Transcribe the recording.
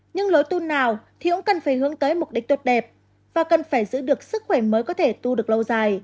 nhưng lối tu nào thì cũng cần phải hướng tới mục đích tốt đẹp và cần phải giữ được sức khỏe mới có thể tu được lâu dài